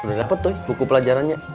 udah dapet tuh buku pelajarannya